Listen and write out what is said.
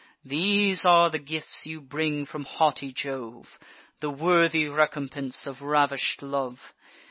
These are the gifts you bring from haughty Jove, The worthy recompense of ravish'd love!